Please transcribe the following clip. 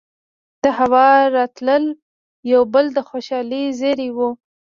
دهوا راتلل يو بل د خوشالۍ زېرے وو